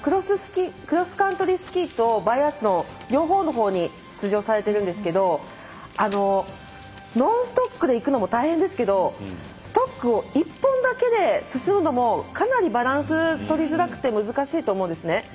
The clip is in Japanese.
クロスカントリースキーとバイアスロン両方に出場されてるんですけどノンストックでいくのも大変ですけどストックを１本だけで進むのもかなりバランスとりづらくて難しいと思うんですね。